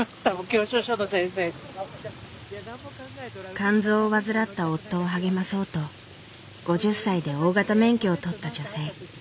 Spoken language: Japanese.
肝臓を患った夫を励まそうと５０歳で大型免許を取った女性。